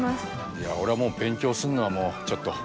いや俺はもう勉強するのはもうちょっと。